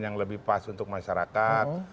yang lebih pas untuk masyarakat